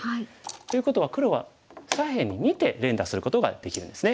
ということは黒は左辺に２手連打することができるんですね。